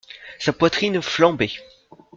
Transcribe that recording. Sa poitrine flambait.